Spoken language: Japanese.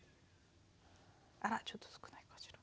あらちょっと少ないかしら。